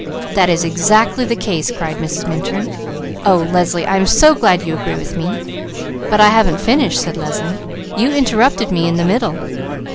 "That is exactly the case!" cried Mrs. Minturn. "Oh Leslie, I am so glad you agree with me!" "But I haven't finished," said Leslie, "you interrupted me in the middle.